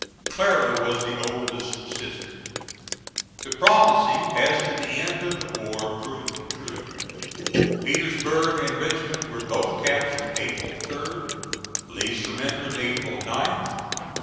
[Clara was the oldest sister. The prophecy as to the end of the war proved true. Petersburg and Richmond were both captured April 3d. Lee surrendered April 9th.